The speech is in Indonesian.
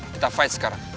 kita fight sekarang